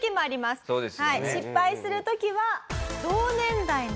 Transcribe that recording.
失敗する時は。